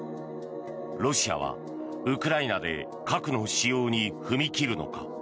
ロシアはウクライナで核の使用に踏み切るのか。